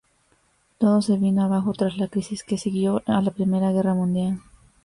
Todo se vino abajo tras la crisis que siguió a la Primera Guerra Mundial.